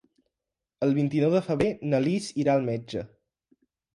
El vint-i-nou de febrer na Lis irà al metge.